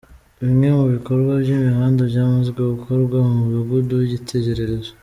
Bimwe mu bikorwa by’imihanda byamazwe gukorwa mu mudugudu w’ikitegererezo.